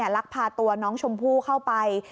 ลักพาตัวน้องชมพู่เข้าไป